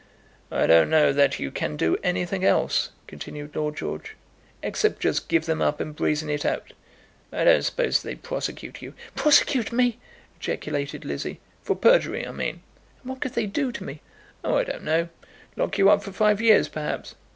"I don't know that you can do anything else," continued Lord George, "except just give them up and brazen it out. I don't suppose they'd prosecute you." "Prosecute me!" ejaculated Lizzie. "For perjury, I mean." "And what could they do to me?" "Oh, I don't know. Lock you up for five years, perhaps."